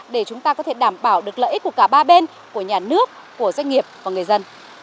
để chúng ta có thể đảm bảo được lợi ích của cả ba bên của nhà nước của doanh nghiệp và người dân